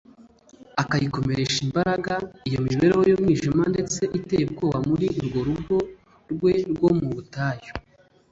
akayikomeresha imbaraga. Iyo mibereho y'umwijima ndetse iteye ubwoba muri urwo rugo rwe rwo mu butayu